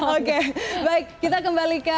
oke ya terima kasih schule